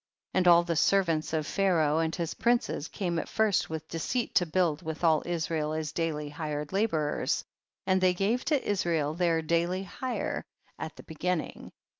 21. And all the servants of Pha raoh and his princes came at first with deceit to build with all Israel as daily hired laborers, and they gave to Israel their daily hire at the be ginning.